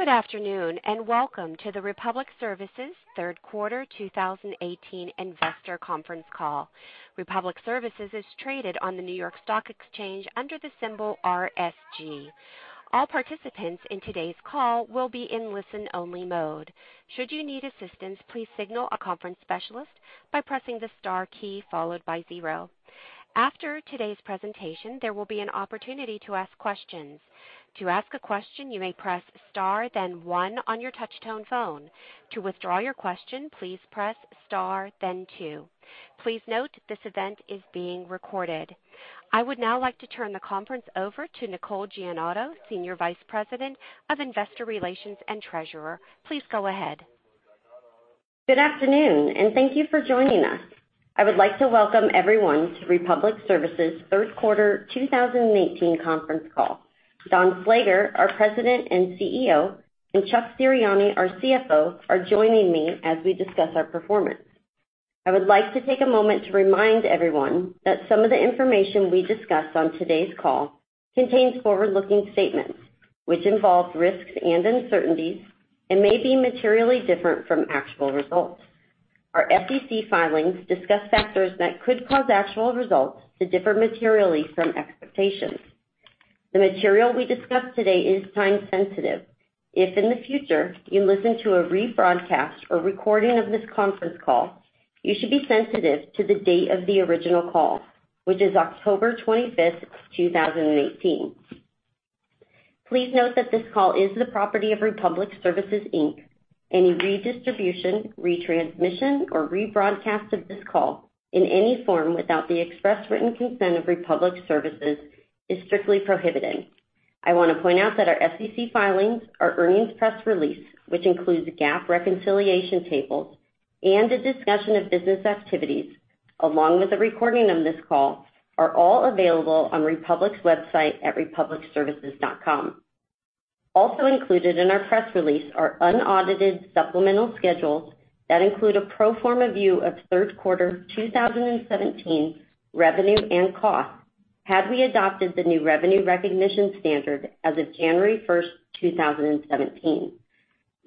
Good afternoon, and welcome to the Republic Services third quarter 2018 investor conference call. Republic Services is traded on the New York Stock Exchange under the symbol RSG. All participants in today's call will be in listen-only mode. Should you need assistance, please signal a conference specialist by pressing the star key followed by zero. After today's presentation, there will be an opportunity to ask questions. To ask a question, you may press star then One on your touch tone phone. To withdraw your question, please press star then two. Please note this event is being recorded. I would now like to turn the conference over to Nicole Giandinoto, Senior Vice President of Investor Relations and Treasurer. Please go ahead. Good afternoon, and thank you for joining us. I would like to welcome everyone to Republic Services' third quarter 2018 conference call. Don Slager, our President and CEO, and Chuck Serianni, our CFO, are joining me as we discuss our performance. I would like to take a moment to remind everyone that some of the information we discuss on today's call contains forward-looking statements, which involve risks and uncertainties and may be materially different from actual results. Our SEC filings discuss factors that could cause actual results to differ materially from expectations. The material we discuss today is time sensitive. If in the future you listen to a rebroadcast or recording of this conference call, you should be sensitive to the date of the original call, which is October 25th, 2018. Please note that this call is the property of Republic Services, Inc. Any redistribution, retransmission, or rebroadcast of this call in any form without the express written consent of Republic Services is strictly prohibited. I want to point out that our SEC filings, our earnings press release, which includes GAAP reconciliation tables and a discussion of business activities, along with a recording of this call, are all available on Republic's website at republicservices.com. Also included in our press release are unaudited supplemental schedules that include a pro forma view of third quarter 2017 revenue and costs, had we adopted the new revenue recognition standard as of January 1st, 2017.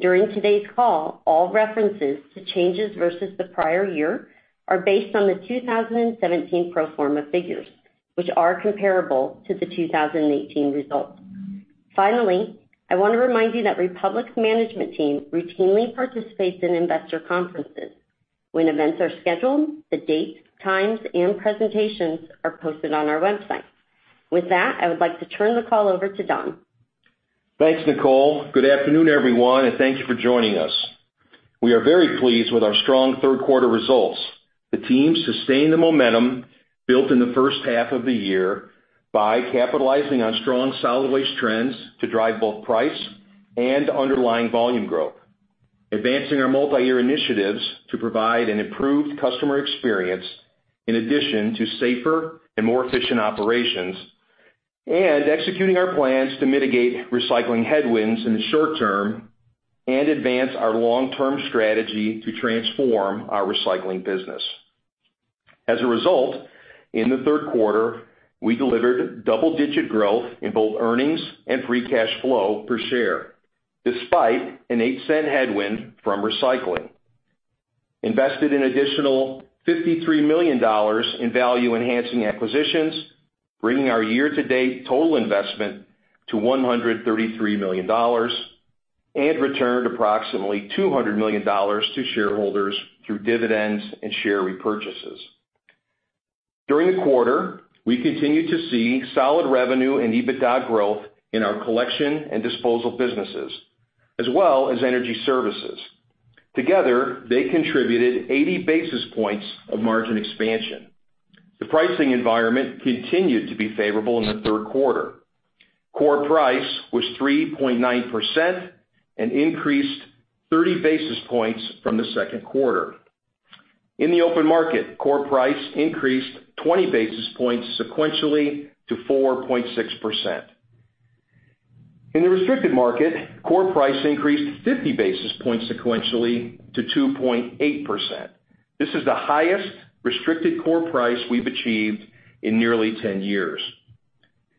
During today's call, all references to changes versus the prior year are based on the 2017 pro forma figures, which are comparable to the 2018 results. Finally, I want to remind you that Republic's management team routinely participates in investor conferences. When events are scheduled, the dates, times, and presentations are posted on our website. With that, I would like to turn the call over to Don. Thanks, Nicole. Good afternoon, everyone, and thank you for joining us. We are very pleased with our strong third quarter results. The team sustained the momentum built in the first half of the year by capitalizing on strong solid waste trends to drive both price and underlying volume growth, advancing our multi-year initiatives to provide an improved customer experience in addition to safer and more efficient operations, and executing our plans to mitigate recycling headwinds in the short term and advance our long-term strategy to transform our recycling business. As a result, in the third quarter, we delivered double-digit growth in both earnings and free cash flow per share, despite an $0.08 headwind from recycling, invested an additional $53 million in value-enhancing acquisitions, bringing our year-to-date total investment to $133 million, and returned approximately $200 million to shareholders through dividends and share repurchases. During the quarter, we continued to see solid revenue and EBITDA growth in our collection and disposal businesses, as well as Energy Services. Together, they contributed 80 basis points of margin expansion. The pricing environment continued to be favorable in the third quarter. Core price was 3.9% and increased 30 basis points from the second quarter. In the open market, core price increased 20 basis points sequentially to 4.6%. In the restricted market, core price increased 50 basis points sequentially to 2.8%. This is the highest restricted core price we've achieved in nearly 10 years.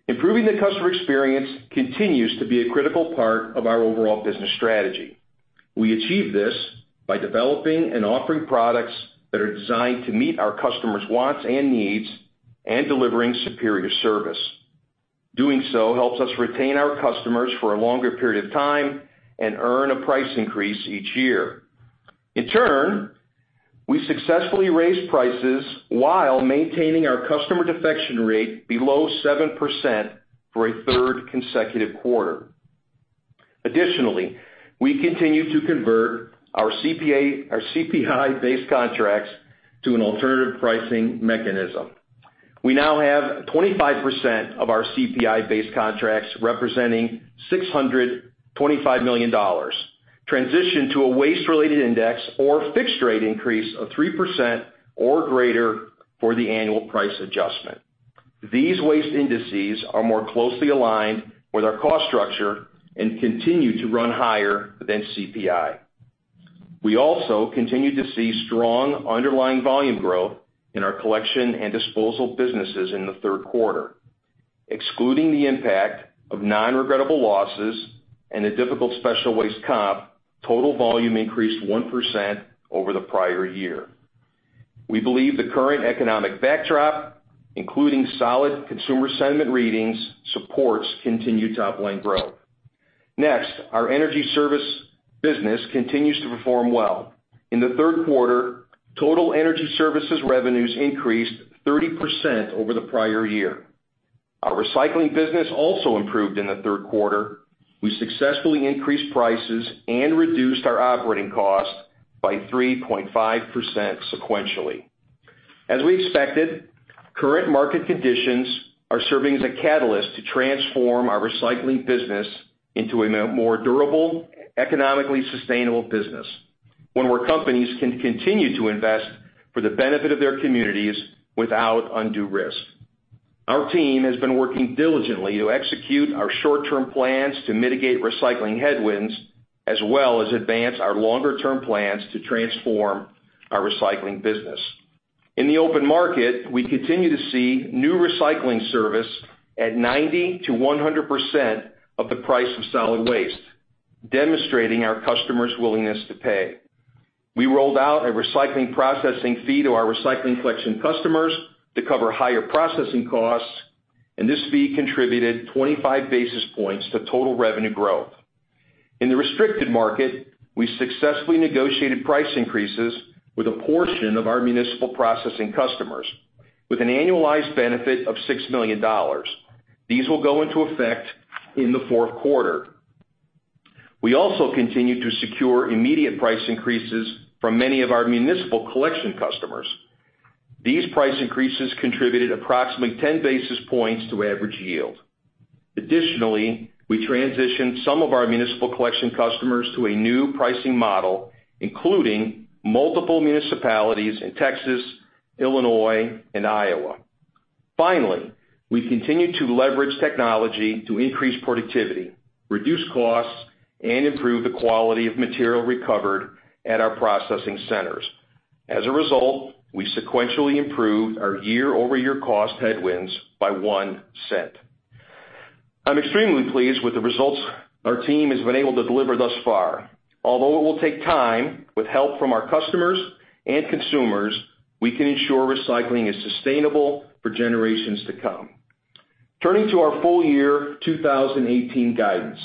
Improving the customer experience continues to be a critical part of our overall business strategy. We achieve this by developing and offering products that are designed to meet our customers' wants and needs, and delivering superior service. Doing so helps us retain our customers for a longer period of time and earn a price increase each year. In turn, we successfully raised prices while maintaining our customer defection rate below 7% for a third consecutive quarter. Additionally, we continue to convert our CPI-based contracts to an alternative pricing mechanism. We now have 25% of our CPI-based contracts, representing $625 million transitioned to a waste-related index or fixed rate increase of 3% or greater for the annual price adjustment. These waste indices are more closely aligned with our cost structure and continue to run higher than CPI. We also continued to see strong underlying volume growth in our collection and disposal businesses in the third quarter. Excluding the impact of non-regrettable losses and a difficult special waste comp, total volume increased 1% over the prior year. We believe the current economic backdrop, including solid consumer sentiment readings, supports continued top-line growth. Next, our Energy Services business continues to perform well. In the third quarter, total Energy Services revenues increased 30% over the prior year. Our recycling business also improved in the third quarter. We successfully increased prices and reduced our operating cost by 3.5% sequentially. As we expected, current market conditions are serving as a catalyst to transform our recycling business into a more durable, economically sustainable business, one where companies can continue to invest for the benefit of their communities without undue risk. Our team has been working diligently to execute our short-term plans to mitigate recycling headwinds, as well as advance our longer-term plans to transform our recycling business. In the open market, we continue to see new recycling service at 90%-100% of the price of solid waste, demonstrating our customers' willingness to pay. We rolled out a recycling processing fee to our recycling collection customers to cover higher processing costs, and this fee contributed 25 basis points to total revenue growth. In the restricted market, we successfully negotiated price increases with a portion of our municipal processing customers with an annualized benefit of $6 million. These will go into effect in the fourth quarter. We also continued to secure immediate price increases from many of our municipal collection customers. These price increases contributed approximately 10 basis points to average yield. Additionally, we transitioned some of our municipal collection customers to a new pricing model, including multiple municipalities in Texas, Illinois, and Iowa. Finally, we continued to leverage technology to increase productivity, reduce costs, and improve the quality of material recovered at our processing centers. As a result, we sequentially improved our year-over-year cost headwinds by $0.01. I'm extremely pleased with the results our team has been able to deliver thus far. Although it will take time, with help from our customers and consumers, we can ensure recycling is sustainable for generations to come. Turning to our full year 2018 guidance.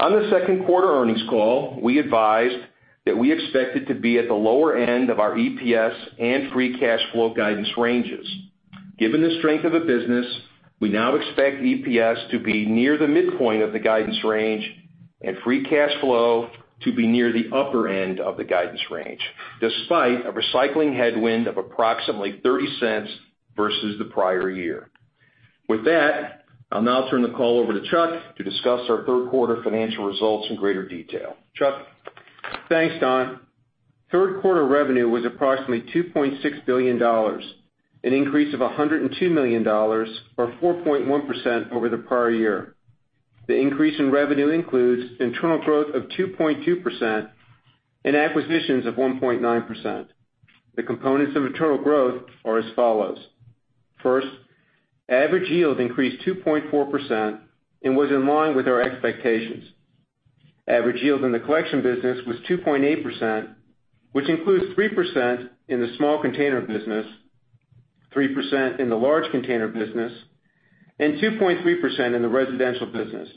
On the second quarter earnings call, we advised that we expected to be at the lower end of our EPS and free cash flow guidance ranges. Given the strength of the business, we now expect EPS to be near the midpoint of the guidance range and free cash flow to be near the upper end of the guidance range, despite a recycling headwind of approximately $0.30 versus the prior year. With that, I'll now turn the call over to Chuck Serianni to discuss our third quarter financial results in greater detail. Chuck Serianni? Thanks, Don. Third quarter revenue was approximately $2.6 billion, an increase of $102 million, or 4.1% over the prior year. The increase in revenue includes internal growth of 2.2% and acquisitions of 1.9%. The components of internal growth are as follows. First, average yield increased 2.4% and was in line with our expectations. Average yield in the collection business was 2.8%, which includes 3% in the small container business, 3% in the large container business, and 2.3% in the residential business.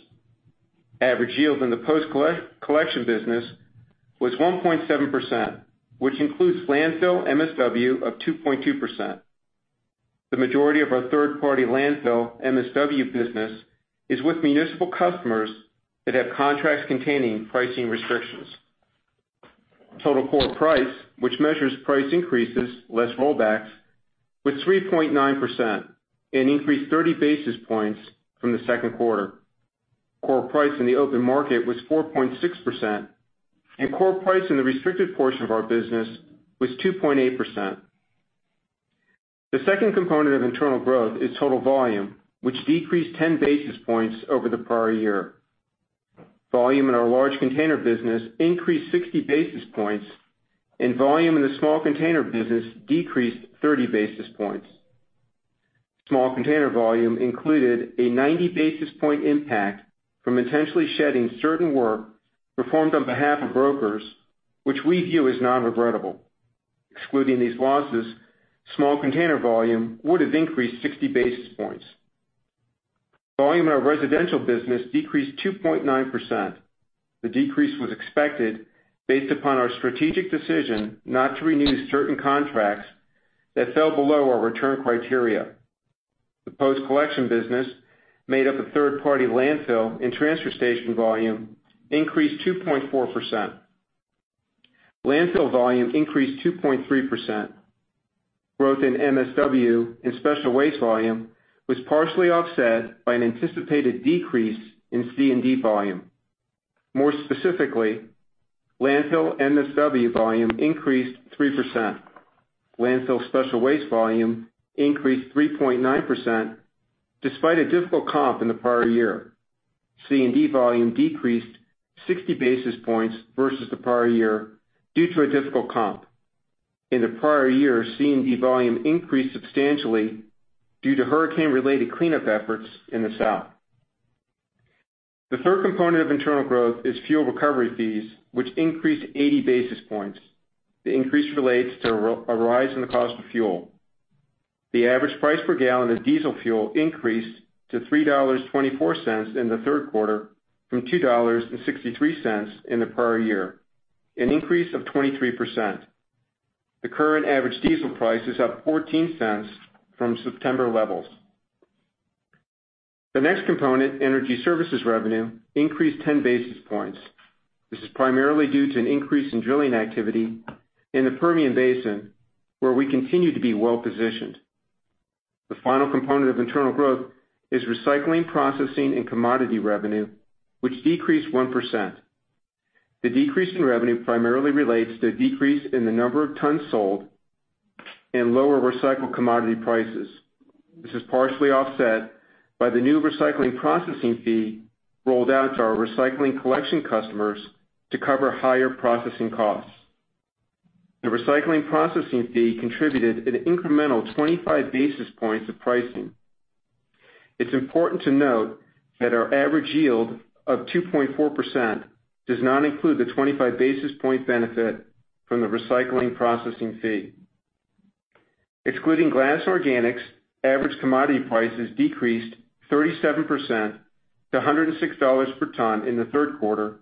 Average yield in the post-collection business was 1.7%, which includes landfill MSW of 2.2%. The majority of our third-party landfill MSW business is with municipal customers that have contracts containing pricing restrictions. Total core price, which measures price increases less rollbacks, was 3.9% and increased 30 basis points from the second quarter. Core price in the open market was 4.6%, and core price in the restricted portion of our business was 2.8%. The second component of internal growth is total volume, which decreased 10 basis points over the prior year. Volume in our large container business increased 60 basis points, and volume in the small container business decreased 30 basis points. Small container volume included a 90 basis point impact from intentionally shedding certain work performed on behalf of brokers, which we view as non-regrettable. Excluding these losses, small container volume would have increased 60 basis points. Volume in our residential business decreased 2.9%. The decrease was expected based upon our strategic decision not to renew certain contracts that fell below our return criteria. The post-collection business made up of third-party landfill and transfer station volume increased 2.4%. Landfill volume increased 2.3%. Growth in MSW and special waste volume was partially offset by an anticipated decrease in C&D volume. More specifically, landfill MSW volume increased 3%. Landfill special waste volume increased 3.9%, despite a difficult comp in the prior year. C&D volume decreased 60 basis points versus the prior year due to a difficult comp. In the prior year, C&D volume increased substantially due to hurricane-related cleanup efforts in the South. The third component of internal growth is fuel recovery fees, which increased 80 basis points. The increase relates to a rise in the cost of fuel. The average price per gallon of diesel fuel increased to $3.24 in the third quarter from $2.63 in the prior year, an increase of 23%. The current average diesel price is up $0.14 from September levels. The next component, Energy Services revenue, increased 10 basis points. This is primarily due to an increase in drilling activity in the Permian Basin, where we continue to be well-positioned. The final component of internal growth is recycling, processing, and commodity revenue, which decreased 1%. The decrease in revenue primarily relates to a decrease in the number of tons sold and lower recycled commodity prices. This is partially offset by the new recycling processing fee rolled out to our recycling collection customers to cover higher processing costs. The recycling processing fee contributed an incremental 25 basis points of pricing. It's important to note that our average yield of 2.4% does not include the 25 basis point benefit from the recycling processing fee. Excluding glass organics, average commodity prices decreased 37% to $106 per ton in the third quarter,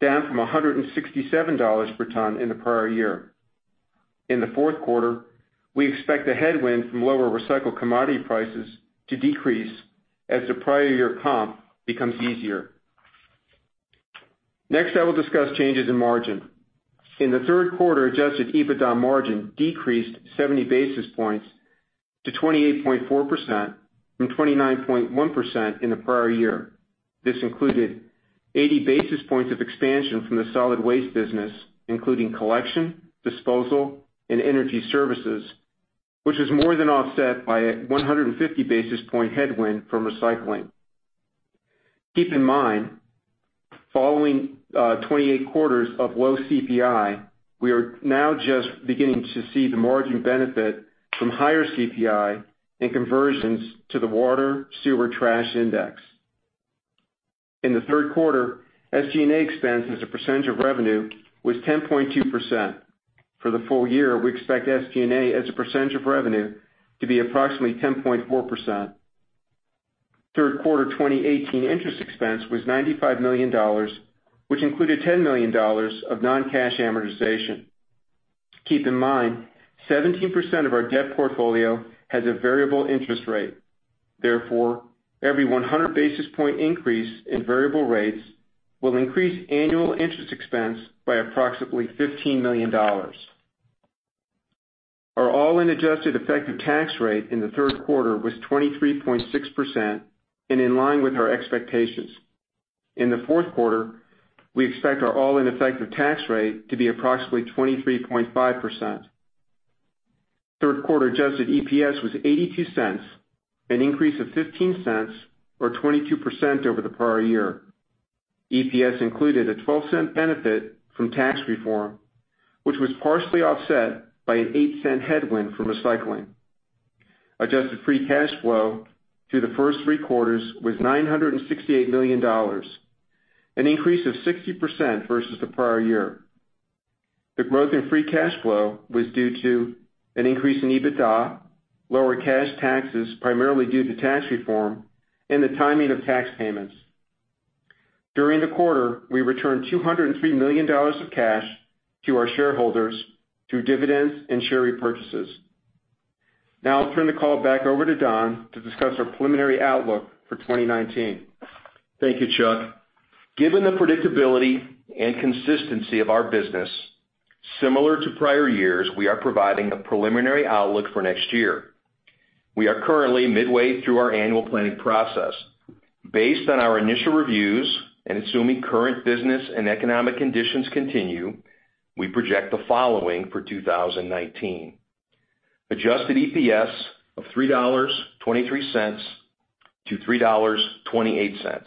down from $167 per ton in the prior year. In the fourth quarter, we expect a headwind from lower recycled commodity prices to decrease as the prior year comp becomes easier. I will discuss changes in margin. In the third quarter, adjusted EBITDA margin decreased 70 basis points to 28.4% from 29.1% in the prior year. This included 80 basis points of expansion from the solid waste business, including collection, disposal and Energy Services, which was more than offset by a 150 basis point headwind from recycling. Keep in mind, following 28 quarters of low CPI, we are now just beginning to see the margin benefit from higher CPI and conversions to the Water, Sewer, Trash Index. In the third quarter, SG&A expense as a percentage of revenue was 10.2%. For the full year, we expect SG&A as a percentage of revenue to be approximately 10.4%. Third quarter 2018 interest expense was $95 million, which included $10 million of non-cash amortization. Keep in mind, 17% of our debt portfolio has a variable interest rate. Therefore, every 100 basis point increase in variable rates will increase annual interest expense by approximately $15 million. Our all-in adjusted effective tax rate in the third quarter was 23.6% and in line with our expectations. In the fourth quarter, we expect our all-in effective tax rate to be approximately 23.5%. Third quarter adjusted EPS was $0.82, an increase of $0.15 or 22% over the prior year. EPS included a $0.12 benefit from tax reform, which was partially offset by an $0.08 headwind from recycling. Adjusted free cash flow to the first three quarters was $968 million, an increase of 60% versus the prior year. The growth in free cash flow was due to an increase in EBITDA, lower cash taxes, primarily due to tax reform, and the timing of tax payments. During the quarter, we returned $203 million of cash to our shareholders through dividends and share repurchases. Now I'll turn the call back over to Don to discuss our preliminary outlook for 2019. Thank you, Chuck. Given the predictability and consistency of our business, similar to prior years, we are providing a preliminary outlook for next year. We are currently midway through our annual planning process. Based on our initial reviews and assuming current business and economic conditions continue, we project the following for 2019: adjusted EPS of $3.23-$3.28,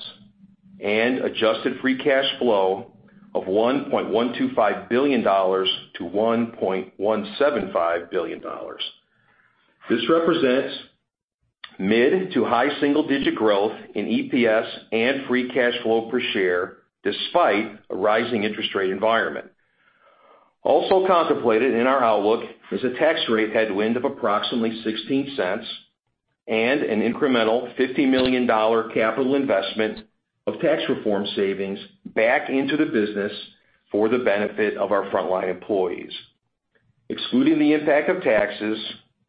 and adjusted free cash flow of $1.125 billion-$1.175 billion. This represents mid to high single-digit growth in EPS and free cash flow per share despite a rising interest rate environment. Also contemplated in our outlook is a tax rate headwind of approximately $0.16 and an incremental $50 million capital investment of tax reform savings back into the business for the benefit of our frontline employees. Excluding the impact of taxes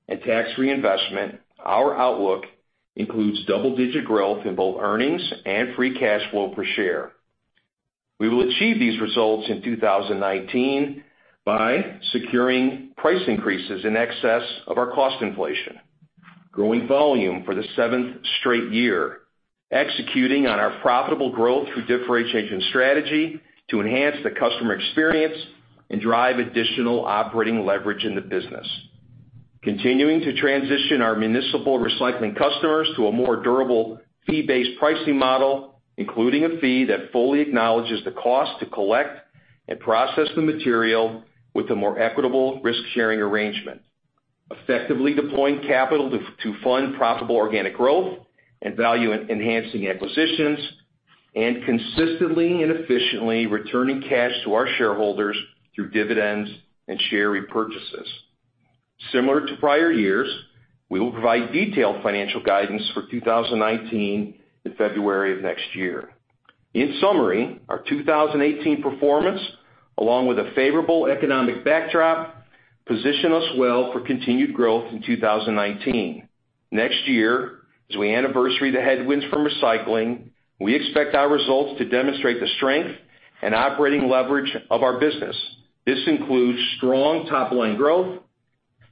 and tax reinvestment, our outlook includes double-digit growth in both earnings and free cash flow per share. We will achieve these results in 2019 by securing price increases in excess of our cost inflation, growing volume for the seventh straight year, executing on our profitable growth through differentiation strategy to enhance the customer experience and drive additional operating leverage in the business. Continuing to transition our municipal recycling customers to a more durable fee-based pricing model, including a fee that fully acknowledges the cost to collect and process the material with a more equitable risk-sharing arrangement. Effectively deploying capital to fund profitable organic growth and value-enhancing acquisitions, and consistently and efficiently returning cash to our shareholders through dividends and share repurchases. Similar to prior years, we will provide detailed financial guidance for 2019 in February of next year. In summary, our 2018 performance, along with a favorable economic backdrop, position us well for continued growth in 2019. Next year, as we anniversary the headwinds from recycling, we expect our results to demonstrate the strength and operating leverage of our business. This includes strong top-line growth,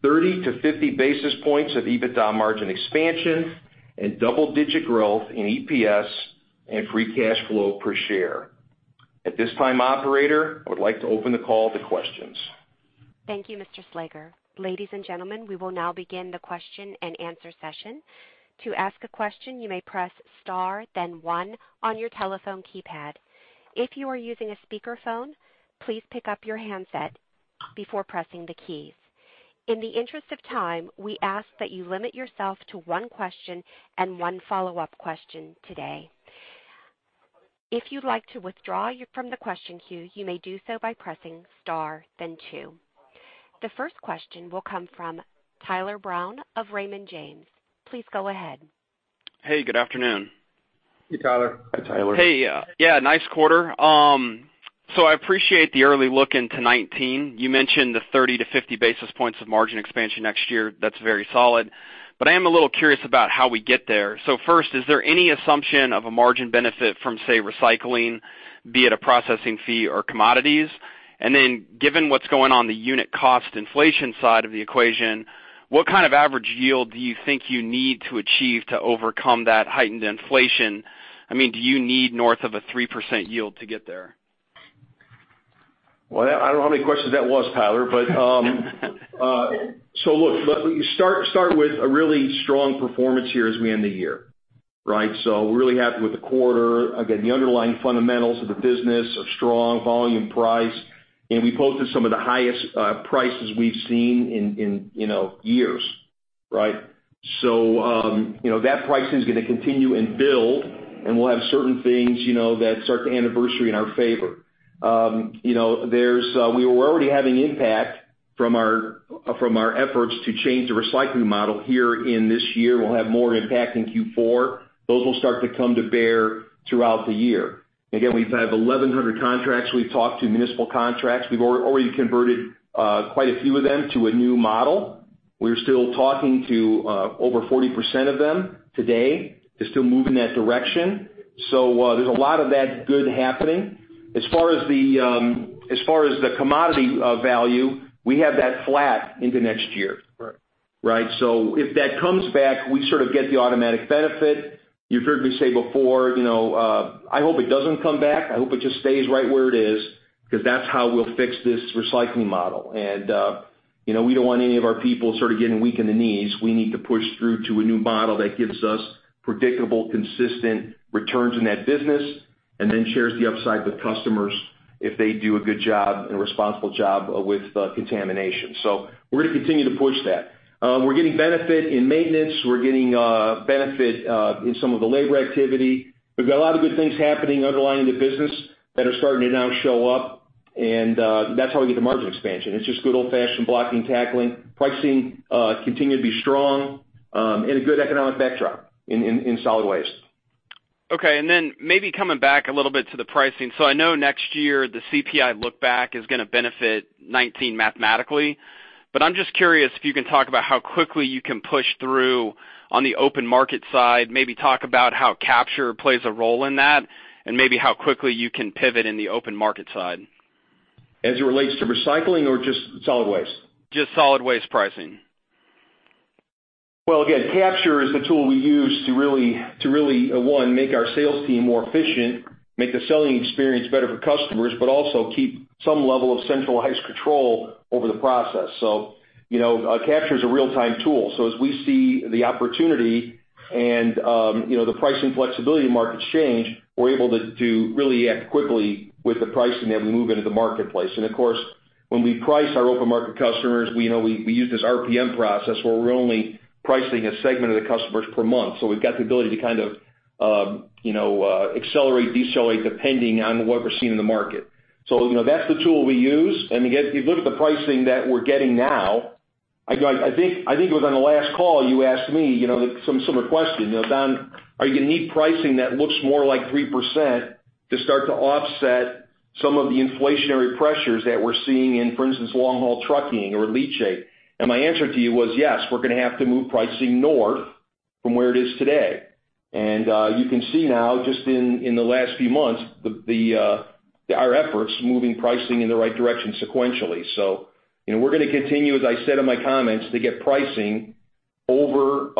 30 to 50 basis points of EBITDA margin expansion, and double-digit growth in EPS and free cash flow per share. At this time, operator, I would like to open the call to questions. Thank you, Mr. Slager. Ladies and gentlemen, we will now begin the question and answer session. To ask a question, you may press star then one on your telephone keypad. If you are using a speakerphone, please pick up your handset before pressing the keys. In the interest of time, we ask that you limit yourself to one question and one follow-up question today. If you'd like to withdraw from the question queue, you may do so by pressing star then two. The first question will come from Tyler Brown of Raymond James. Please go ahead. Hey, good afternoon. Hey, Tyler. Hi, Tyler. Hey. Yeah, nice quarter. I appreciate the early look into 2019. You mentioned the 30-50 basis points of margin expansion next year. That's very solid. I am a little curious about how we get there. First, is there any assumption of a margin benefit from, say, recycling, be it a processing fee or commodities? Given what's going on the unit cost inflation side of the equation, what kind of average yield do you think you need to achieve to overcome that heightened inflation? Do you need north of a 3% yield to get there? I don't know how many questions that was, Tyler. Start with a really strong performance here as we end the year. Right? We're really happy with the quarter. Again, the underlying fundamentals of the business are strong, volume, price. We posted some of the highest prices we've seen in years. Right? That pricing is going to continue and build. We'll have certain things that start to anniversary in our favor. We were already having impact from our efforts to change the recycling model here in this year. We'll have more impact in Q4. Those will start to come to bear throughout the year. Again, we have 1,100 contracts we've talked to, municipal contracts. We've already converted quite a few of them to a new model. We're still talking to over 40% of them today. They're still moving in that direction. There's a lot of that good happening. As far as the commodity value, we have that flat into next year. Right. Right. If that comes back, we sort of get the automatic benefit. You've heard me say before, I hope it doesn't come back. I hope it just stays right where it is, because that's how we'll fix this recycling model. We don't want any of our people sort of getting weak in the knees. We need to push through to a new model that gives us predictable, consistent returns in that business and then shares the upside with customers if they do a good job and a responsible job with contamination. We're going to continue to push that. We're getting benefit in maintenance. We're getting benefit in some of the labor activity. We've got a lot of good things happening underlying the business that are starting to now show up, and that's how we get the margin expansion. It's just good old-fashioned blocking, tackling. Pricing continued to be strong, a good economic backdrop in solid waste. Maybe coming back a little bit to the pricing. I know next year, the CPI look-back is going to benefit 2019 mathematically, but I'm just curious if you can talk about how quickly you can push through on the open market side, maybe talk about how Capture plays a role in that, and maybe how quickly you can pivot in the open market side. As it relates to recycling or just solid waste? Just solid waste pricing. Again, Capture is the tool we use to really, one, make our sales team more efficient, make the selling experience better for customers, but also keep some level of centralized control over the process. Capture is a real-time tool, as we see the opportunity and the pricing flexibility in markets change, we're able to really act quickly with the pricing that we move into the marketplace. Of course, when we price our open market customers, we use this RPM process where we're only pricing a segment of the customers per month. We've got the ability to kind of accelerate, decelerate, depending on what we're seeing in the market. That's the tool we use. Again, if you look at the pricing that we're getting now, I think it was on the last call, you asked me a similar question. Don, are you going to need pricing that looks more like 3% to start to offset some of the inflationary pressures that we're seeing in, for instance, long-haul trucking or leachate?" My answer to you was yes, we're going to have to move pricing north from where it is today. You can see now, just in the last few months, our efforts moving pricing in the right direction sequentially. We're going to continue, as I said in my comments, to get pricing over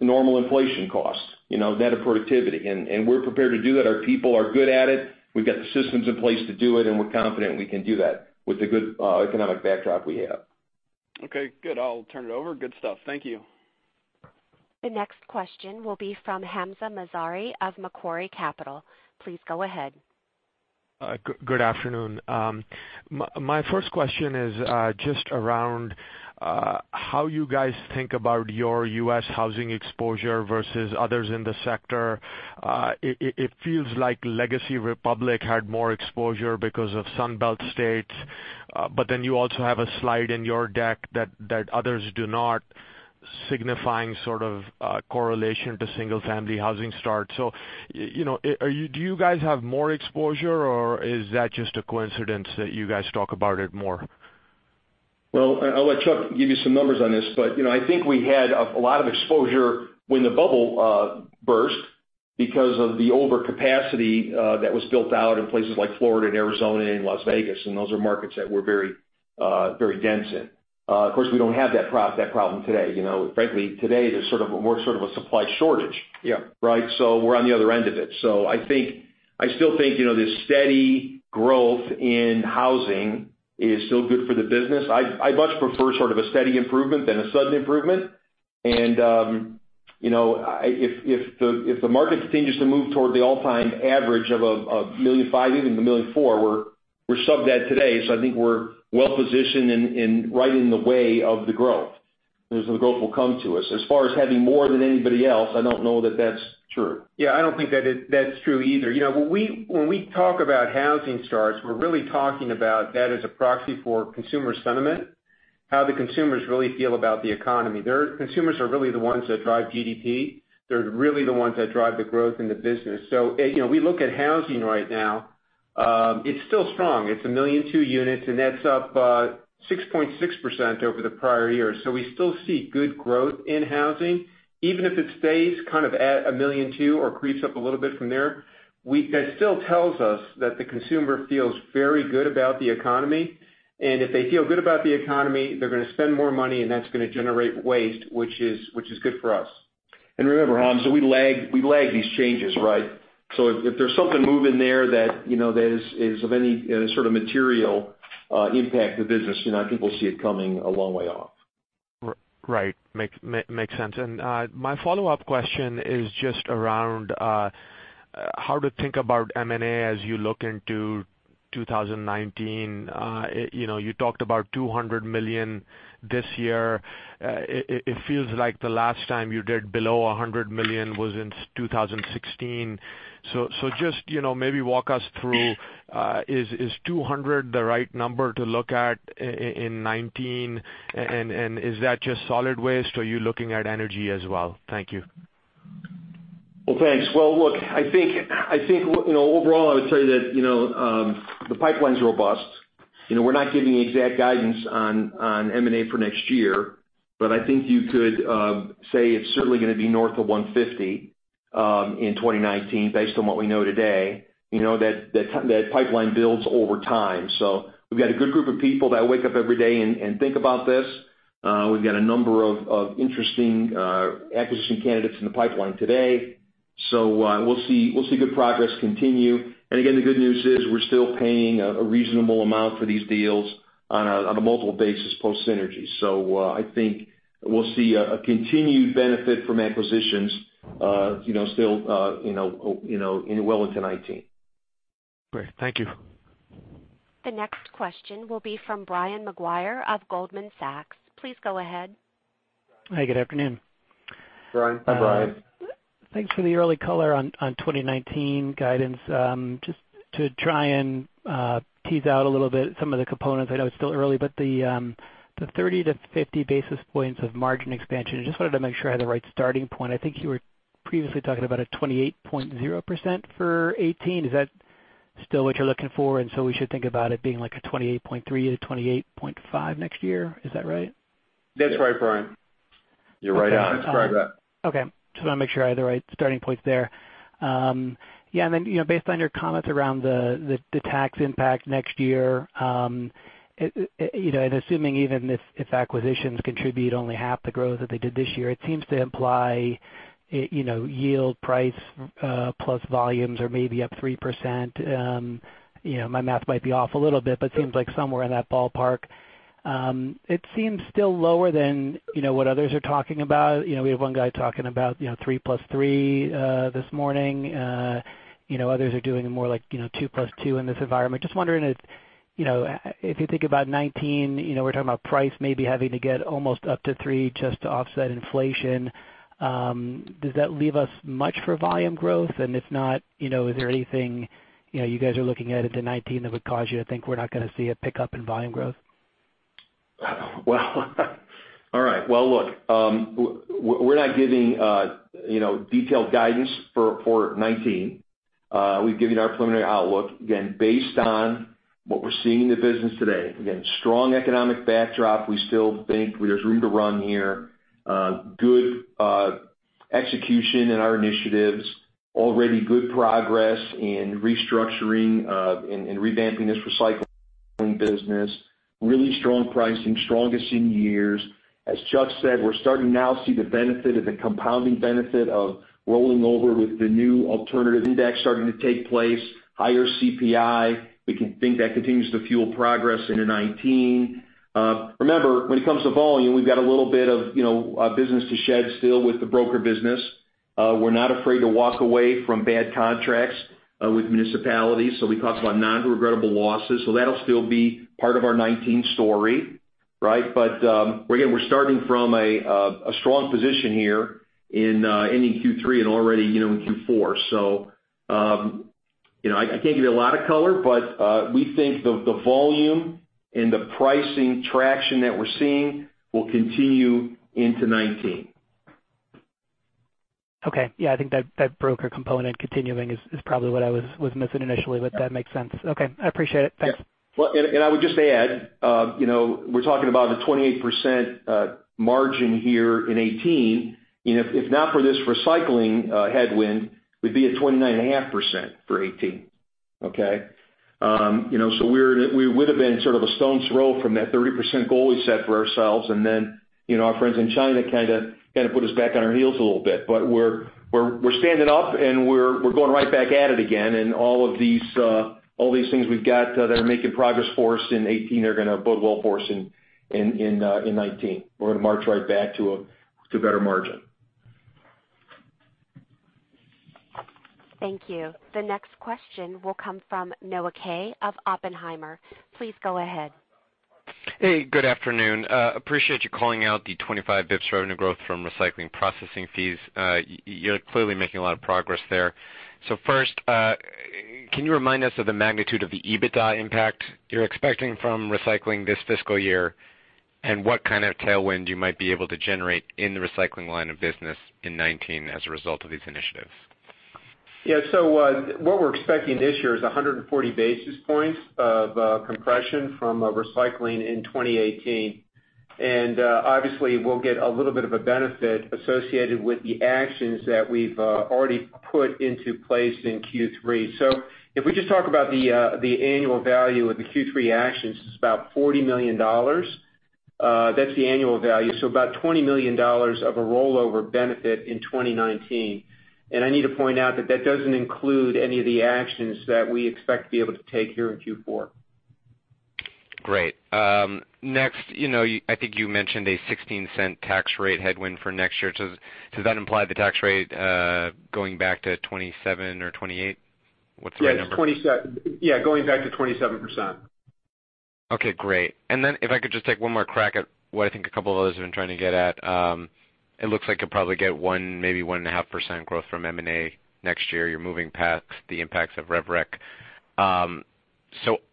normal inflation costs, net of productivity. We're prepared to do that. Our people are good at it. We've got the systems in place to do it, and we're confident we can do that with the good economic backdrop we have. Okay, good. I'll turn it over. Good stuff. Thank you. The next question will be from Hamzah Mazari of Macquarie Capital. Please go ahead. Good afternoon. My first question is just around how you guys think about your U.S. housing exposure versus others in the sector. It feels like Legacy Republic had more exposure because of Sun Belt states. You also have a slide in your deck that others do not, signifying sort of correlation to single-family housing starts. Do you guys have more exposure, or is that just a coincidence that you guys talk about it more? I'll let Chuck give you some numbers on this, but I think we had a lot of exposure when the bubble burst because of the overcapacity that was built out in places like Florida and Arizona and Las Vegas. Those are markets that we're very dense in. Of course, we don't have that problem today. Frankly, today, there's more of a supply shortage. Yeah. Right? We're on the other end of it. I still think the steady growth in housing is still good for the business. I much prefer sort of a steady improvement than a sudden improvement. If the market continues to move toward the all-time average of $1.5 million, even $1.4 million, we're sub that today. I think we're well-positioned and right in the way of the growth. The growth will come to us. As far as having more than anybody else, I don't know that that's true. Yeah, I don't think that's true either. When we talk about housing starts, we're really talking about that as a proxy for consumer sentiment, how the consumers really feel about the economy. Consumers are really the ones that drive GDP. They're really the ones that drive the growth in the business. We look at housing right now, it's still strong. It's 1.2 million units. That's up 6.6% over the prior year. We still see good growth in housing. Even if it stays kind of at 1.2 million or creeps up a little bit from there, that still tells us that the consumer feels very good about the economy, and if they feel good about the economy, they're going to spend more money, and that's going to generate waste, which is good for us. Remember, Hamzah, we lag these changes, right? If there's something moving there that is of any sort of material impact to business, I think we'll see it coming a long way off. Right. Makes sense. My follow-up question is just around how to think about M&A as you look into 2019. You talked about $200 million this year. It feels like the last time you did below $100 million was in 2016. Just maybe walk us through, is $200 the right number to look at in 2019, and is that just solid waste, or are you looking at Energy Services as well? Thank you. Thanks. Look, I think overall, I would tell you that the pipeline's robust. We're not giving exact guidance on M&A for next year, but I think you could say it's certainly going to be north of $150 million in 2019 based on what we know today. That pipeline builds over time. We've got a good group of people that wake up every day and think about this. We've got a number of interesting acquisition candidates in the pipeline today. We'll see good progress continue. Again, the good news is we're still paying a reasonable amount for these deals on a multiple basis post synergy. I think we'll see a continued benefit from acquisitions still well into 2019. Great. Thank you. The next question will be from Brian Maguire of Goldman Sachs. Please go ahead. Hi, good afternoon. Brian. Hi, Brian. Thanks for the early color on 2019 guidance. Just to try and tease out a little bit some of the components, I know it's still early, but the 30 to 50 basis points of margin expansion, just wanted to make sure I had the right starting point. I think you were previously talking about a 28.0% for 2018. Is that still what you're looking for, and so we should think about it being like a 28.3%-28.5% next year? Is that right? That's right, Brian. You're right on. That's correct. Okay. Just want to make sure I had the right starting points there. Based on your comments around the tax impact next year, and assuming even if acquisitions contribute only half the growth that they did this year, it seems to imply yield price plus volumes are maybe up 3%. My math might be off a little bit, but seems like somewhere in that ballpark. It seems still lower than what others are talking about. We have one guy talking about 3% plus 3% this morning. Others are doing more like 2% plus 2% in this environment. Just wondering if you think about 2019, we're talking about price maybe having to get almost up to 3% just to offset inflation. Does that leave us much for volume growth? If not, is there anything you guys are looking at into 2019 that would cause you to think we're not going to see a pickup in volume growth? All right. Well, look, we're not giving detailed guidance for 2019. We've given our preliminary outlook, again, based on what we're seeing in the business today. Again, strong economic backdrop. We still think there's room to run here. Execution in our initiatives. Already good progress in restructuring and revamping this recycling business. Really strong pricing, strongest in years. As Chuck said, we're starting now to see the benefit of the compounding benefit of rolling over with the new alternative index starting to take place, higher CPI. We can think that continues to fuel progress into 2019. Remember, when it comes to volume, we've got a little bit of business to shed still with the broker business. We're not afraid to walk away from bad contracts with municipalities. We talked about non-regrettable losses. That'll still be part of our 2019 story. Again, we're starting from a strong position here in ending Q3 and already in Q4. I can't give you a lot of color, but we think the volume and the pricing traction that we're seeing will continue into 2019. Okay. I think that that broker component continuing is probably what I was missing initially, that makes sense. Okay, I appreciate it. Thanks. Well, I would just add, we're talking about the 28% margin here in 2018, and if not for this recycling headwind, we'd be at 29.5% for 2018. Okay. We would've been sort of a stone's throw from that 30% goal we set for ourselves, and then our friends in China kind of put us back on our heels a little bit. We're standing up, and we're going right back at it again, and all of these things we've got that are making progress for us in 2018 are going to bode well for us in 2019. We're going to march right back to a better margin. Thank you. The next question will come from Noah Kaye of Oppenheimer. Please go ahead. Hey, good afternoon. Appreciate you calling out the 25 basis points revenue growth from recycling processing fees. You're clearly making a lot of progress there. First, can you remind us of the magnitude of the EBITDA impact you're expecting from recycling this fiscal year? What kind of tailwind you might be able to generate in the recycling line of business in 2019 as a result of these initiatives? What we're expecting this year is 140 basis points of compression from recycling in 2018. Obviously, we'll get a little bit of a benefit associated with the actions that we've already put into place in Q3. If we just talk about the annual value of the Q3 actions, it's about $40 million. That's the annual value. About $20 million of a rollover benefit in 2019. I need to point out that that doesn't include any of the actions that we expect to be able to take here in Q4. Great. Next, I think you mentioned a $0.16 tax rate headwind for next year. Does that imply the tax rate going back to 27% or 28%? What's the right number? Yes, going back to 27%. Okay, great. If I could just take one more crack at what I think a couple of others have been trying to get at. It looks like you'll probably get one, maybe 1.5% growth from M&A next year. You're moving past the impacts of RevRec.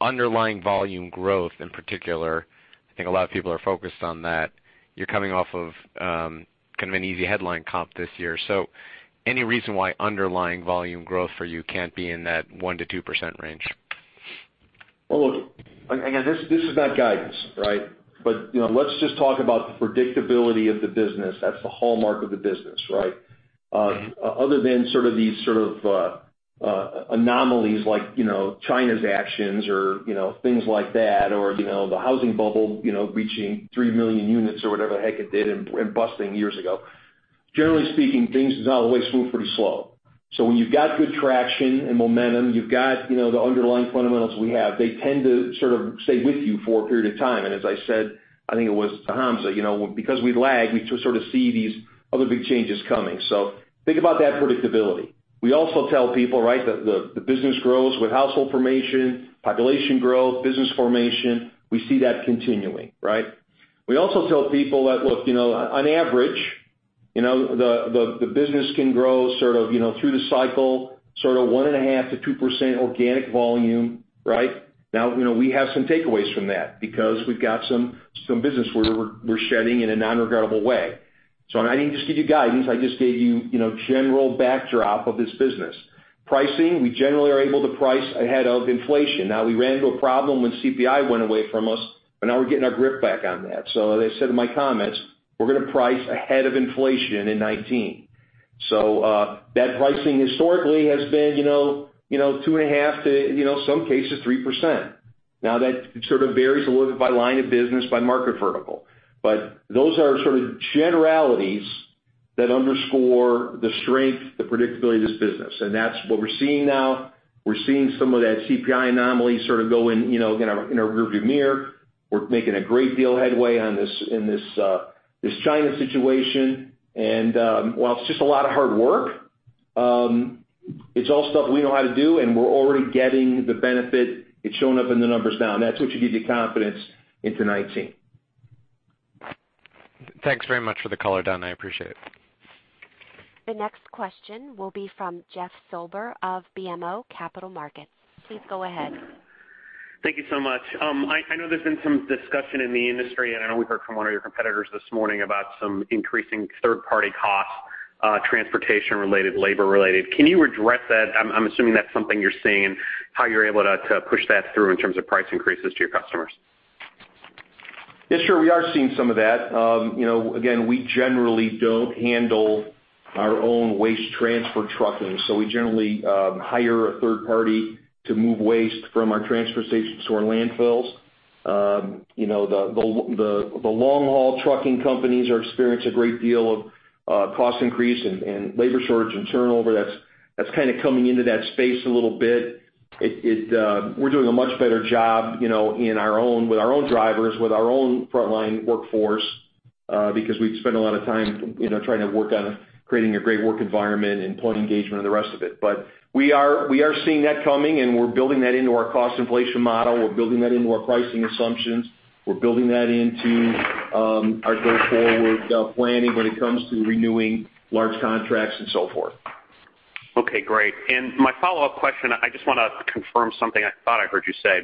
Underlying volume growth in particular, I think a lot of people are focused on that. You're coming off of kind of an easy headline comp this year. Any reason why underlying volume growth for you can't be in that 1%-2% range? Well, look, again, this is not guidance, right? Let's just talk about the predictability of the business. That's the hallmark of the business, right? Other than these sort of anomalies like China's actions or things like that, or the housing bubble reaching three million units or whatever the heck it did and busting years ago. Generally speaking, things have always moved pretty slow. When you've got good traction and momentum, you've got the underlying fundamentals we have, they tend to sort of stay with you for a period of time. As I said, I think it was to Hamzah, because we lag, we sort of see these other big changes coming. Think about that predictability. We also tell people, right? The business grows with household formation, population growth, business formation. We see that continuing, right? We also tell people that, look, on average, the business can grow sort of through the cycle, sort of 1.5%-2% organic volume, right? Now, we have some takeaways from that because we've got some business where we're shedding in a non-regrettable way. I didn't just give you guidance. I just gave you general backdrop of this business. Pricing, we generally are able to price ahead of inflation. Now, we ran into a problem when CPI went away from us, now we're getting our grip back on that. As I said in my comments, we're going to price ahead of inflation in 2019. That pricing historically has been 2.5%-3%. Now, that sort of varies a little bit by line of business, by market vertical. Those are sort of generalities that underscore the strength, the predictability of this business. That's what we're seeing now. We're seeing some of that CPI anomaly sort of go in our rearview mirror. We're making a great deal of headway in this China situation. While it's just a lot of hard work, it's all stuff we know how to do, and we're already getting the benefit. It's showing up in the numbers now, and that's what should give you confidence into 2019. Thanks very much for the color, Don. I appreciate it. The next question will be from Jeffrey Silber of BMO Capital Markets. Please go ahead. Thank you so much. I know there's been some discussion in the industry, I know we've heard from one of your competitors this morning about some increasing third-party costs, transportation related, labor related. Can you address that? I'm assuming that's something you're seeing and how you're able to push that through in terms of price increases to your customers? Yes, sure. Again, we generally don't handle our own waste transfer trucking, so we generally hire a third party to move waste from our transfer stations to our landfills. The long-haul trucking companies are experiencing a great deal of cost increase and labor shortage and turnover that's coming into that space a little bit. We're doing a much better job with our own drivers, with our own frontline workforce, because we've spent a lot of time trying to work on creating a great work environment and employee engagement and the rest of it. We are seeing that coming, and we're building that into our cost inflation model. We're building that into our pricing assumptions. We're building that into our go-forward planning when it comes to renewing large contracts and so forth. Okay, great. My follow-up question, I just want to confirm something I thought I heard you say.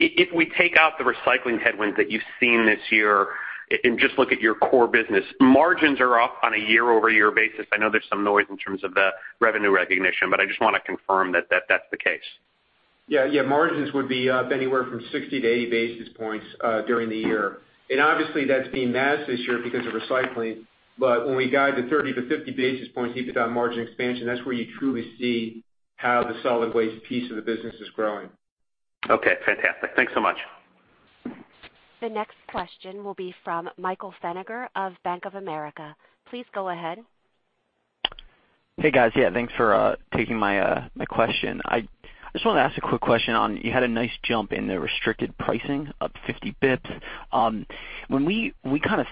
If we take out the recycling headwinds that you've seen this year and just look at your core business, margins are up on a year-over-year basis. I know there's some noise in terms of the revenue recognition, I just want to confirm that that's the case. Yeah. Margins would be up anywhere from 60-80 basis points during the year. Obviously, that's being masked this year because of recycling. When we guide the 30-50 basis points EBITDA margin expansion, that's where you truly see how the solid waste piece of the business is growing. Okay, fantastic. Thanks so much. The next question will be from Michael Feniger of Bank of America. Please go ahead. Hey, guys. Yeah, thanks for taking my question. I just wanted to ask a quick question on, you had a nice jump in the restricted pricing, up 50 basis points. When we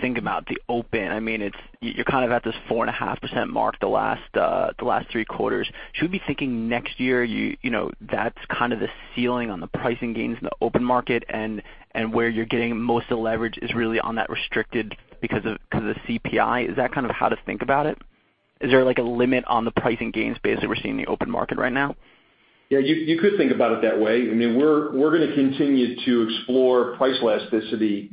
think about the open, you're at this 4.5% mark the last three quarters. Should we be thinking next year, that's the ceiling on the pricing gains in the open market, and where you're getting most of the leverage is really on that restricted because of CPI? Is that how to think about it? Is there a limit on the pricing gain space that we're seeing in the open market right now? Yeah, you could think about it that way. We're going to continue to explore price elasticity,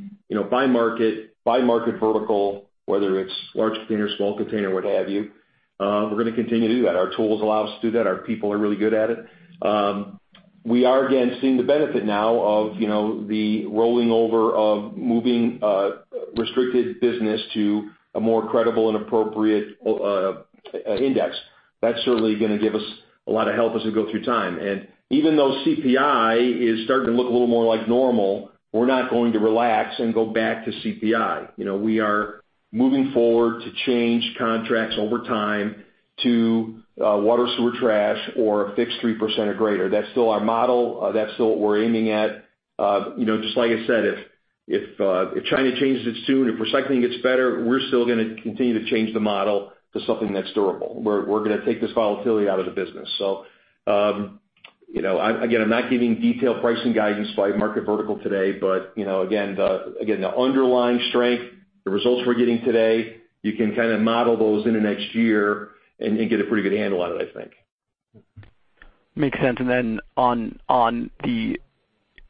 by market, by market vertical, whether it's large container, small container, what have you. We're going to continue to do that. Our tools allow us to do that. Our people are really good at it. We are, again, seeing the benefit now of the rolling over of moving restricted business to a more credible and appropriate index. That's certainly going to give us a lot of help as we go through time. Even though CPI is starting to look a little more like normal, we're not going to relax and go back to CPI. We are moving forward to change contracts over time to water, sewer, trash or a fixed 3% or greater. That's still our model. That's still what we're aiming at. Just like I said, if China changes it soon, if recycling gets better, we're still going to continue to change the model to something that's durable. We're going to take this volatility out of the business. Again, I'm not giving detailed pricing guidance by market vertical today, but again, the underlying strength, the results we're getting today, you can model those into next year and get a pretty good handle on it, I think. Makes sense. Then on the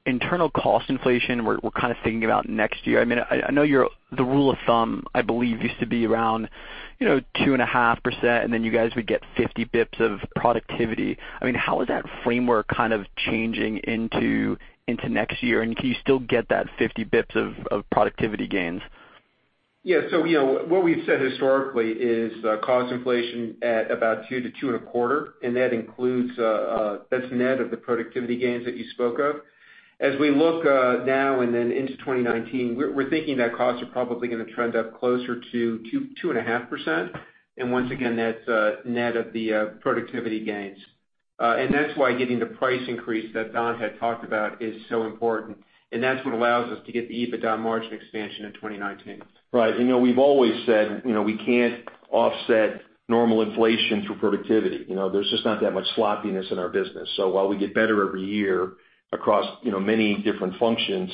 internal cost inflation, we're thinking about next year. I know the rule of thumb, I believe, used to be around 2.5%, then you guys would get 50 basis points of productivity. How is that framework changing into next year? Can you still get that 50 basis points of productivity gains? Yeah. What we've said historically is cost inflation at about 2%-2.25%, that's net of the productivity gains that you spoke of. As we look now then into 2019, we're thinking that costs are probably going to trend up closer to 2.5%. Once again, that's net of the productivity gains. That's why getting the price increase that Don had talked about is so important, that's what allows us to get the EBITDA margin expansion in 2019. Right. We've always said we can't offset normal inflation through productivity. There's just not that much sloppiness in our business. While we get better every year across many different functions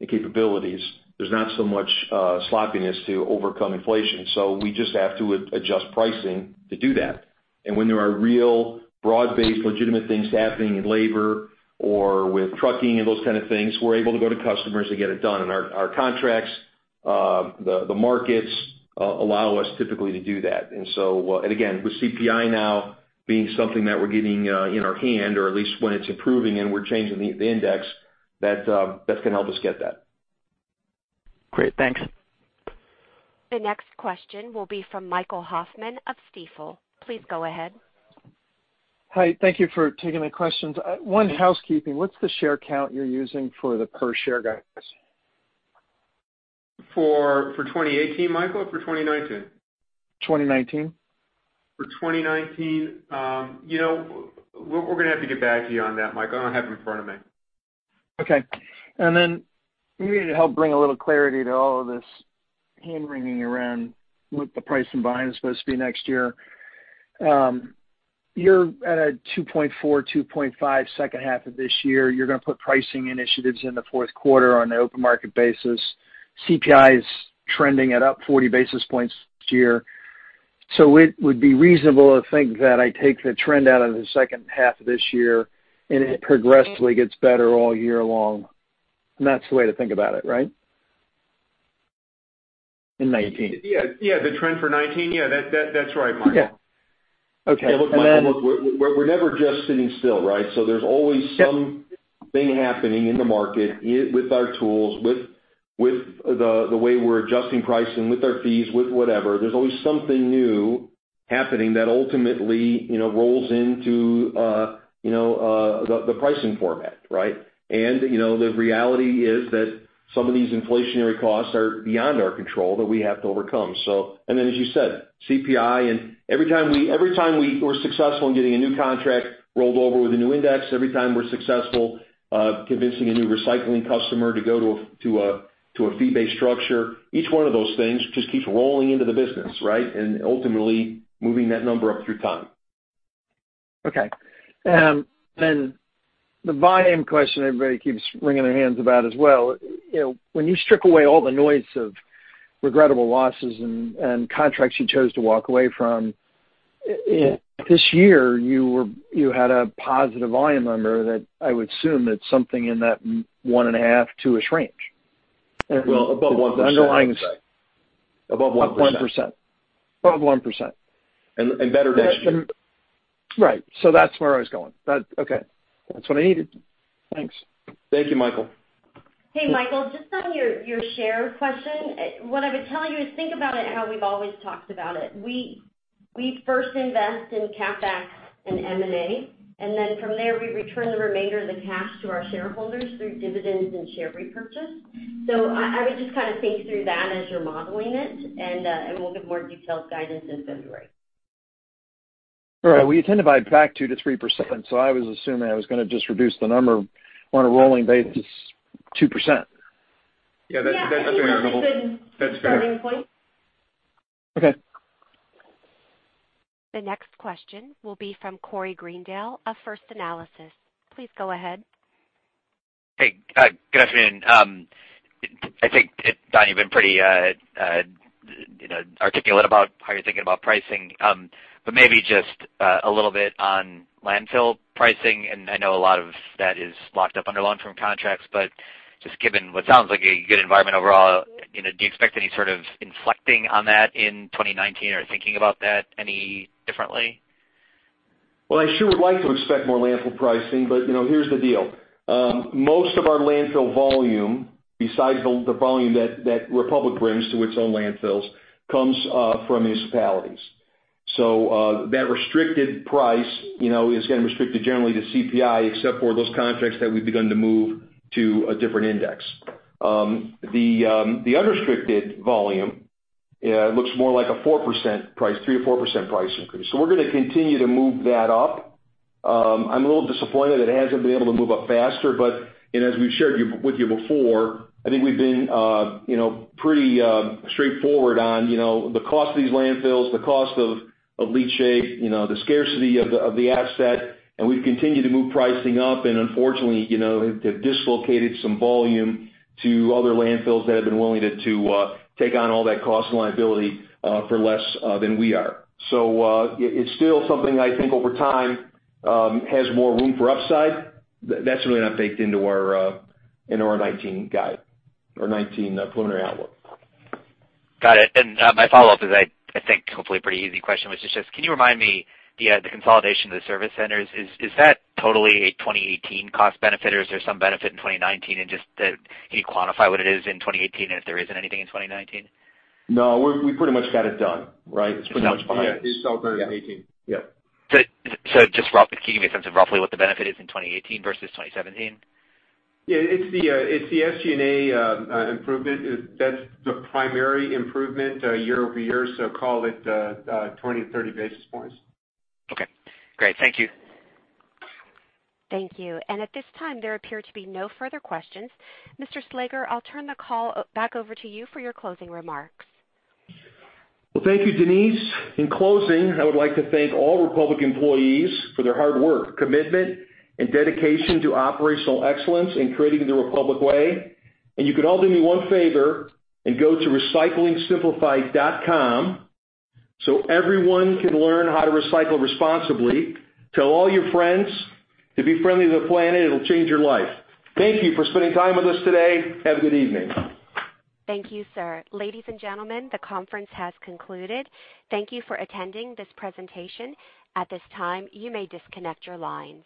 and capabilities, there's not so much sloppiness to overcome inflation. We just have to adjust pricing to do that. When there are real, broad-based, legitimate things happening in labor or with trucking and those kind of things, we're able to go to customers and get it done. Our contracts, the markets, allow us typically to do that. Again, with CPI now being something that we're getting in our hand, or at least when it's improving and we're changing the index, that's going to help us get that. Great. Thanks. The next question will be from Michael Hoffman of Stifel. Please go ahead. Hi. Thank you for taking the questions. One, housekeeping, what's the share count you're using for the per-share guidance? For 2018, Michael, or for 2019? 2019. For 2019, we're going to have to get back to you on that, Michael. I don't have it in front of me. Okay. Maybe to help bring a little clarity to all of this hand-wringing around what the pricing volume is supposed to be next year. You're at a 2.4%, 2.5% second half of this year. You're going to put pricing initiatives in the fourth quarter on an open-market basis. CPI is trending at up 40 basis points this year. It would be reasonable to think that I take the trend out of the second half of this year, and it progressively gets better all year long. That's the way to think about it, right? In 2019. Yeah. The trend for 2019. Yeah, that's right, Michael. Okay. Look, Michael, we're never just sitting still, right? There's always something happening in the market with our tools, with the way we're adjusting pricing, with our fees, with whatever. There's always something new happening that ultimately rolls into the pricing format, right? The reality is that some of these inflationary costs are beyond our control that we have to overcome. Then, as you said, CPI and every time we were successful in getting a new contract rolled over with a new index, every time we're successful convincing a new recycling customer to go to a fee-based structure, each one of those things just keeps rolling into the business, right? Ultimately moving that number up through time. Okay. The volume question everybody keeps wringing their hands about as well. When you strip away all the noise of regrettable losses and contracts you chose to walk away from, this year, you had a positive volume number that I would assume that something in that 1.5%-2%-ish range. Well, above 1%. The underlying's. Above 1%. Above 1%. better than. Right. That's where I was going. Okay. That's what I needed. Thanks. Thank you, Michael. Hey, Michael, just on your share question, what I would tell you is think about it how we've always talked about it. We first invest in CapEx and M&A, then from there, we return the remainder of the cash to our shareholders through dividends and share repurchase. I would just kind of think through that as you're modeling it, and we'll give more detailed guidance in February. All right. Well, you tend to buy back 2%-3%, I was assuming I was going to just reduce the number on a rolling basis, 2%. Yeah, that's reasonable. Yeah, I think that's a good starting point. Okay. The next question will be from Corey Greendale of First Analysis. Please go ahead. Hey, good afternoon. I think, Don, you've been pretty articulate about how you're thinking about pricing. Maybe just a little bit on landfill pricing, and I know a lot of that is locked up under long-term contracts, but just given what sounds like a good environment overall, do you expect any sort of inflecting on that in 2019 or thinking about that any differently? Well, I sure would like to expect more landfill pricing, but here's the deal. Most of our landfill volume, besides the volume that Republic brings to its own landfills, comes from municipalities. That restricted price is going to restrict it generally to CPI, except for those contracts that we've begun to move to a different index. The unrestricted volume looks more like a 4% price, 3%-4% price increase. We're going to continue to move that up. I'm a little disappointed that it hasn't been able to move up faster, but as we've shared with you before, I think we've been pretty straightforward on the cost of these landfills, the cost of leachate, the scarcity of the asset, and we've continued to move pricing up, and unfortunately, they've dislocated some volume to other landfills that have been willing to take on all that cost and liability for less than we are. It's still something I think over time, has more room for upside. That's really not baked into our 2019 guide or 2019 preliminary outlook. My follow-up is, I think, hopefully a pretty easy question, which is just, can you remind me, the consolidation of the service centers, is that totally a 2018 cost benefit, or is there some benefit in 2019? Just, can you quantify what it is in 2018, and if there isn't anything in 2019? No, we pretty much got it done, right? It's pretty much behind us. Yeah, it's all done in 2018. Yeah. Just roughly, can you give me a sense of roughly what the benefit is in 2018 versus 2017? Yeah, it's the SG&A improvement. That's the primary improvement year-over-year, so call it 20-30 basis points. Okay, great. Thank you. Thank you. At this time, there appear to be no further questions. Mr. Slager, I'll turn the call back over to you for your closing remarks. Well, thank you, Denise. In closing, I would like to thank all Republic employees for their hard work, commitment, and dedication to operational excellence in creating the Republic way. You can all do me one favor and go to recyclingsimplified.com so everyone can learn how to recycle responsibly. Tell all your friends to be friendly to the planet. It'll change your life. Thank you for spending time with us today. Have a good evening. Thank you, sir. Ladies and gentlemen, the conference has concluded. Thank you for attending this presentation. At this time, you may disconnect your lines.